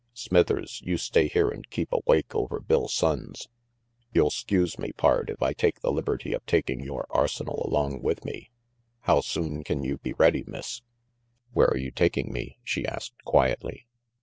"Smithers, you stay here and keep a wake over Bill RANGY PETE 347 Soimes. You'll skuse me, pard, if I take the liberty of taking yore arsenal along with me. How soon can you be ready, Miss?" "Where are you taking me?" she asked quietly.